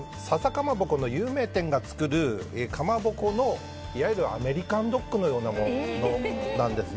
笹かまぼこの有名店が作るかまぼこの、いわゆるアメリカンドッグのようなものなんです。